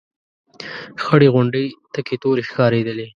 خړې غونډۍ تکې تورې ښکارېدلې.